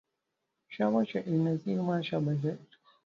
شاب شعري نظير ما شاب شعري